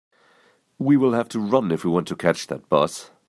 We will have to run if we want to catch that bus.